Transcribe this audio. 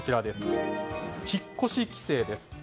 引っ越し規制です。